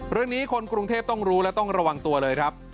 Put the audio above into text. เรื่องนี้คนกรุงเทพต้องรู้และต้องระวังตัวเลยครับ